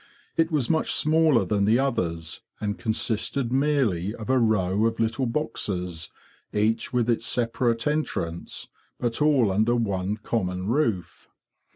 It was much smaller than the others, and consisted merely of a row of little boxes, each with its separate entrance, but all under one common roof.